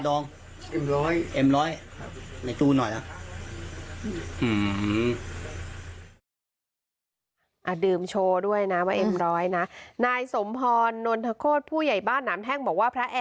ดองน้ำพึ่งน้ำพึ่งเดือนห้าครับเอาเหล้าผสมน้ำพึ่งไงครับ